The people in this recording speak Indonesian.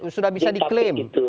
sudah bisa diklaim